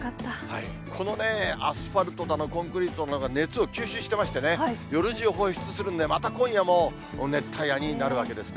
このね、アスファルトだのコンクリートの熱を吸収していましてね、夜じゅう放出するんで、また今夜も熱帯夜になるわけですね。